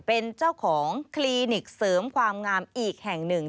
เป็นเจ้าของคลินิกเสริมความงามอีกแห่งหนึ่ง